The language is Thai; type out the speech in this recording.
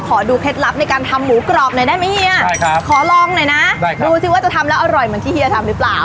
ขอดูเคล็ดลับในการทำหมูกรอบหน่อยได้ไหมเฮียขอลองหน่อยนะดูสิว่าจะทำแล้วอร่อยเหมือนที่เฮียทำหรือเปล่า